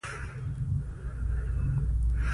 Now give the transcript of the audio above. افغانستان کې د اوړي لپاره دپرمختیا پروګرامونه شته.